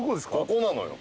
ここなのよ。